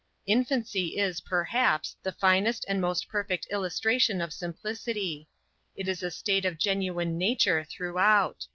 Infancy, is perhaps, the finest and most perfect illustration of simplicity. It is a state of genuine nature throughout.